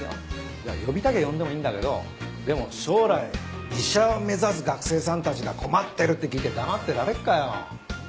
いや呼びたきゃ呼んでもいいんだけどでも将来医者を目指す学生さんたちが困ってるって聞いて黙ってられっかよ。